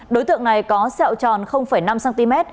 đối tượng này có xẹo tròn năm cm